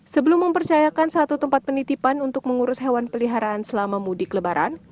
sebelum mempercayakan satu tempat penitipan untuk mengurus hewan peliharaan selama mudik lebaran